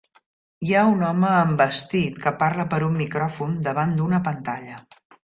Hi ha un home amb vestit que parla per un micròfon davant d'una pantalla